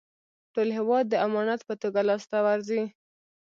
ټول هېواد د امانت په توګه لاسته ورځي.